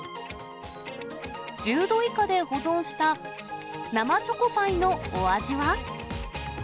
１０度以下で保存した生チョコパイのお味は？